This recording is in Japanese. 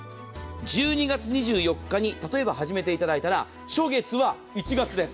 １２月２４日に例えば始めていただいたら初月は１月です。